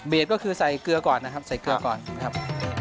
ก็คือใส่เกลือก่อนนะครับใส่เกลือก่อนครับ